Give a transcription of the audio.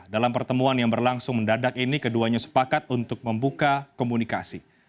dalam pertemuan yang berlangsung mendadak ini keduanya sepakat untuk membuka komunikasi